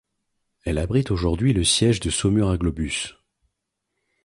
Elle abrite aujourd'hui le siège de Saumur agglobus.